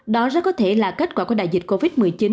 đó rất có thể là kết quả của đại dịch covid một mươi chín